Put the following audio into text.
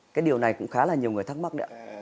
cái điều này cũng khá là nhiều người thắc mắc đấy ạ